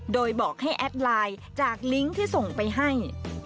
โดยบอกให้แอดไลน์จากลิงก์ที่ส่งไปให้